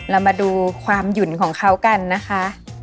เรามาดูความหยุ่นของเขากันนะคะ